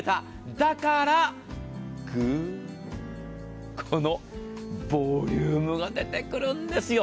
だからグーッこのボリュームが出てくるんですよ。